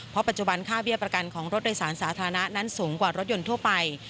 เพราะปัจจุบันค่าเบี้ยประกันของรถโดยสารสาธารณะนั้นสูงกว่ารถยนต์ทั่วไป